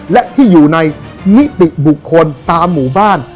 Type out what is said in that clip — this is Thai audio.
และที่อยู่ในนิติบุคคลตามหมู่บ้าน